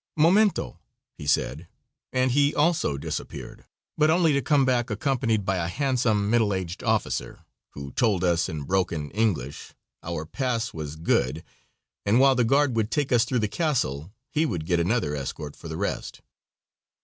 "Momento," he said, and he also disappeared, but only to come back accompanied by a handsome, middle aged officer, who told us, in broken English, our pass was good, and while the guard would take us through the castle he would get us another escort for the rest.